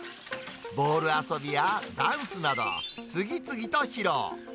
ボール遊びやダンスなど、次々と披露。